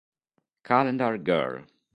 Calendar Girl